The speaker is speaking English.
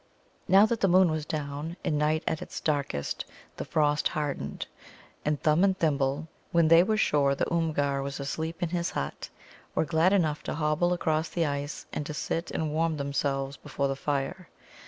Now that the moon was down, and night at its darkest, the frost hardened. And Thumb and Thimble, when they were sure the Oomgar was asleep in his hut, were glad enough to hobble across the ice and to sit and warm themselves before the fire.